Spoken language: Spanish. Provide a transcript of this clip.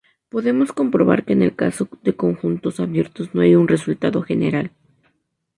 Podemos comprobar que en el caso de conjuntos abiertos no hay un resultado general.